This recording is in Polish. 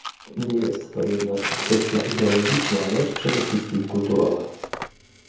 nie jest to jednak kwestia ideologiczna, lecz w przede wszystkim kulturowa